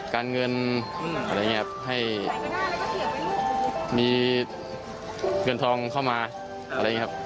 การเงินอะไรอย่างนี้ครับให้มีเงินทองเข้ามาอะไรอย่างนี้ครับ